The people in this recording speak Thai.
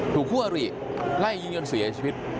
ถูกคั่วหรี่ไล่ยิงยันเสียชีวิต